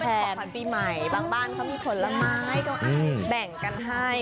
ของขวัญปีใหม่บางบ้านเขามีผลไม้ก็แบ่งกันให้